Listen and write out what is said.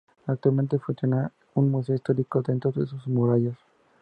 Actualmente funciona un museo histórico dentro de sus murallas.